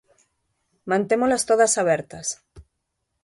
Mantémolas todas abertas.